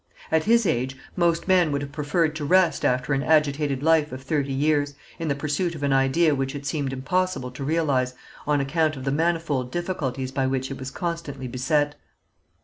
At his age most men would have preferred to rest after an agitated life of thirty years, in the pursuit of an idea which it seemed impossible to realize on account of the manifold difficulties by which it was constantly beset.